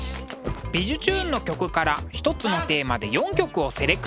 「びじゅチューン！」の曲から一つのテーマで４曲をセレクト。